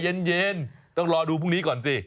เย็นต้องรอดูพรุ่งนี้ก่อนสิ